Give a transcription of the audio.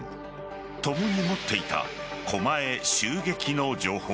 共に持っていた狛江襲撃の情報